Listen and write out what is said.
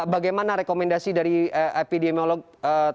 bagaimana rekomendasi dari epidemiolog tadi pak soni